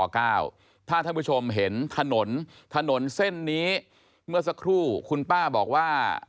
ถ้าท่านผู้ชมเห็นถนนถนนเส้นนี้เมื่อสักครู่คุณป้าบอกว่า